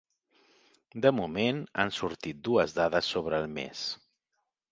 De moment, han sortit dues dades sobre el mes.